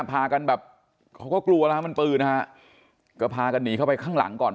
พากันแบบเขาก็กลัวแล้วฮะมันปืนนะฮะก็พากันหนีเข้าไปข้างหลังก่อน